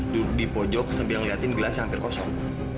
duduk di pojok sambil ngeliatin gelas yang hampir kosong